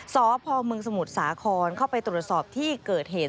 สพมสมุทรสาครเข้าไปตรวจสอบที่เกิดเหตุ